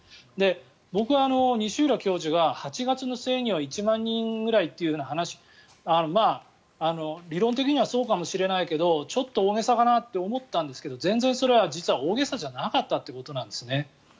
僕は西浦教授が８月の末には１万人ぐらいという話理論的にはそうかもしれないけれどちょっと大げさかなと思ったんですけど全然それは大げさじゃなかったということなんですね。